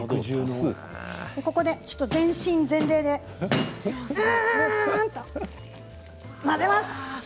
ここで、ちょっと全身全霊でうーん！と混ぜます。